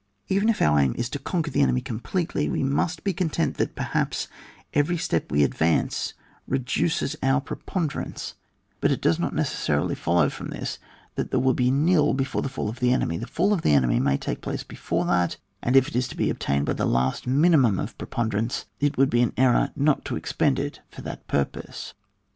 Even if our aim is to conquer the enemy completely, we must be content that, perhaps, g^^tj step we advance, reduces our preponderance, but it does not necessarily follow from this that it will be nil before the fall of the enemy : the faU of the enemy may take place before that, and if it is to be obtained by the last minimum of pre ponderance, it would be an error not to expend it for that purpose.